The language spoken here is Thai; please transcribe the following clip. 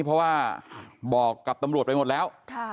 เพราะว่าบอกกับตำรวจไปหมดแล้ว